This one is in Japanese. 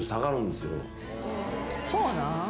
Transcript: そうなん？